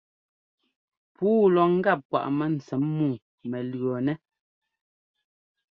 Puu lɔ ŋ́gap kwaꞌ mɛntsɛm muu mɛ lʉ̈ɔnɛ́.